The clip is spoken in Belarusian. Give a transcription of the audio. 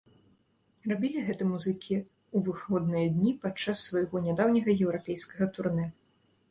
Рабілі гэта музыкі ў выходныя дні падчас свайго нядаўняга еўрапейскага турнэ.